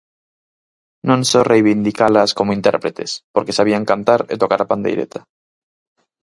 Non só reivindicalas como intérpretes, porque sabían cantar e tocar a pandeireta.